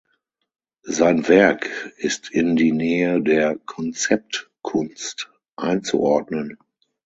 Sein Werk ist in die Nähe der Konzeptkunst einzuordnen.